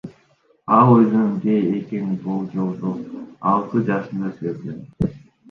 Ал өзүнүн гей экенин болжолдуу алты жашында сезген.